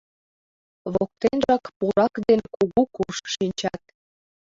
Воктенжак пурак ден кугу курш шинчат.